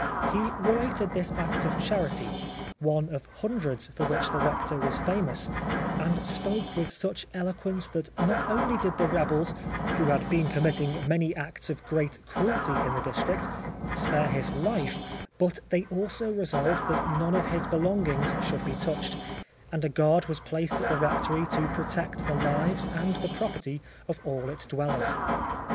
He related this act of charity — one of hundreds for which the Rector was famous — and spoke with such elo quence that not only did the rebels, who had been committing many acts of great cruelty in 37 The Life of Oscar Wilde the district, spare his hfe, but they also resolved that none of his belongings should be touched, and a guard was placed at the rectory to protect the lives and the property of all its dwellers.